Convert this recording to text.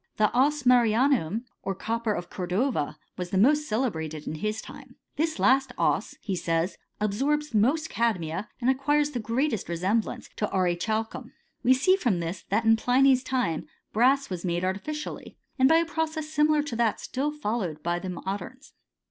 The ess marianum^ or copper of Cor dova, was the most celebrated in his time. This last 4Bs,he says, absorbs most cadmia, and acquires the greatest resemblance to aurichalcum. We see from this, that in Pliny's time brass was made artificially, and by a process similar to that still followed by the moderns.